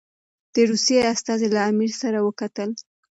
د روسیې استازي له امیر سره وکتل.